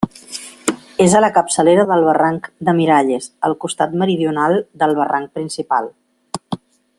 És a la capçalera del barranc de Miralles, al costat meridional del barranc principal.